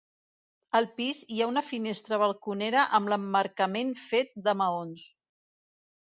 Al pis hi ha una finestra balconera amb l'emmarcament fet de maons.